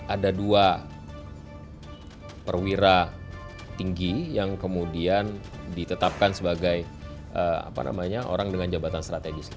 ada dua perwira tinggi yang kemudian ditetapkan sebagai orang dengan jabatan strategis